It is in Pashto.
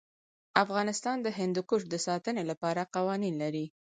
افغانستان د هندوکش د ساتنې لپاره قوانین لري.